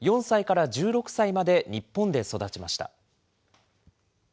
４歳から１６歳まで日本で育ちました。